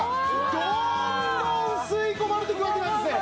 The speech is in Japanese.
どんどん吸い込まれていくわけなんですね。